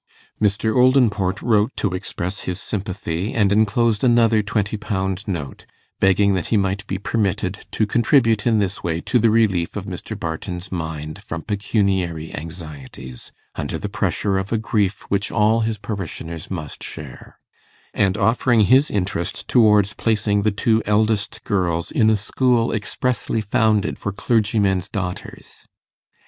Mr. Oldinport wrote to express his sympathy, and enclosed another twenty pound note, begging that he might be permitted to contribute in this way to the relief of Mr. Barton's mind from pecuniary anxieties, under the pressure of a grief which all his parishioners must share; and offering his interest towards placing the two eldest girls in a school expressly founded for clergymen's daughters.